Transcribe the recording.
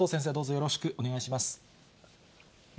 よろしくお願いします。